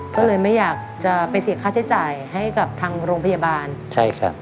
ก็เลยไม่อยากจะไปเสียค่าใช้จ่ายให้กับทางโรงพยาบาลใช่ครับ